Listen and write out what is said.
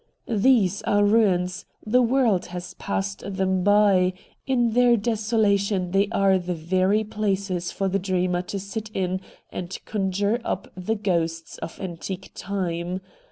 These are ruins ; the world has passed them by ; in their desolation they are the very places for the dreamer to sit in and conjure up the ghosts of antique time.